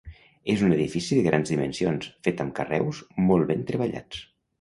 És un edifici de grans dimensions, fet amb carreus molt ben treballats.